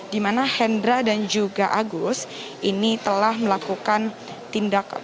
di mana hendra dan juga agus ini telah melakukan tindakan